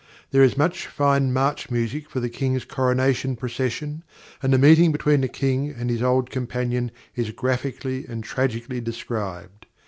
There is much fine march music for the King's coronation procession, and the meeting between the King and his old companion is graphically and tragically described.